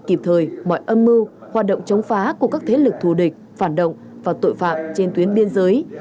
kịp thời mọi âm mưu hoạt động chống phá của các thế lực thù địch phản động và tội phạm trên tuyến biên giới